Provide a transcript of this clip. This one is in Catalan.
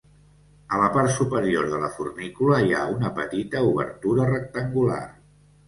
A la part superior de la fornícula hi ha una petita obertura rectangular.